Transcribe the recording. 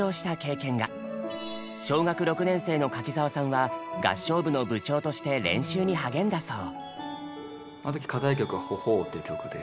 小学６年生の柿澤さんは合唱部の部長として練習に励んだそう。